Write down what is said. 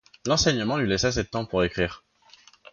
L’enseignement lui laisse assez de temps pour écrire.